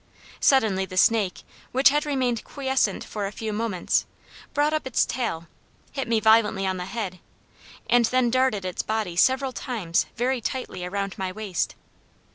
Suddenly, the snake, which had remained quiescent for a few moments, brought up its tail, hit me violently on the head, and then darted its body several times very tightly around my waist.